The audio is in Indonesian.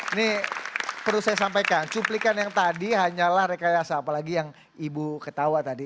ini perlu saya sampaikan cuplikan yang tadi hanyalah rekayasa apalagi yang ibu ketawa tadi